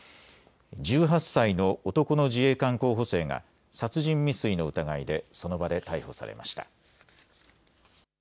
１８歳の男の自衛官候補生が殺人未遂の疑いでその場で逮捕されました。